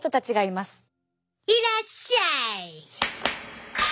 いらっしゃい！